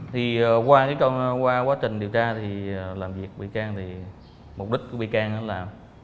thì qua quá trình điều tra làm việc bị can mục đích của bị can là